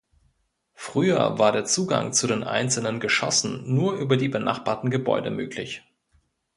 Früher war der Zugang zu den einzelnen Geschossen nur über die benachbarten Gebäude möglich.